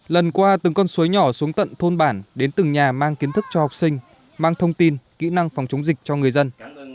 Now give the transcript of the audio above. lần qua từng con suối nhỏ xuống tận thôn bản đến từng nhà mang kiến thức cho học sinh mang thông tin kỹ năng phòng chống dịch cho người dân